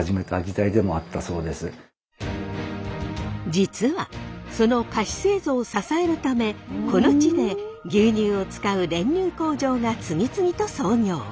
実はその菓子製造を支えるためこの地で牛乳を使う練乳工場が次々と創業。